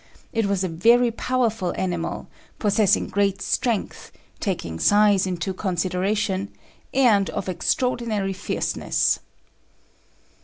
It was a very powerful animal, possessing great strength, taking size into consideration, and of extraordinary fierceness.